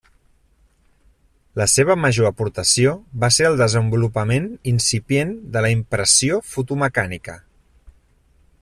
La seva major aportació va ser el desenvolupament incipient de la impressió fotomecànica.